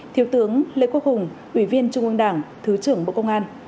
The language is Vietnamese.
thiếu tướng lê quốc hùng ủy viên trung ương đảng thứ trưởng bộ công an